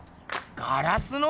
ガラスの？